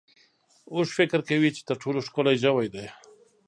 اوښ فکر کوي چې تر ټولو ښکلی ژوی دی.